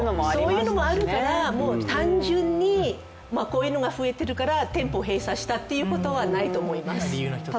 そういうのもあるから、単純にこういうのが増えているから、店舗を閉鎖したということはないと思います。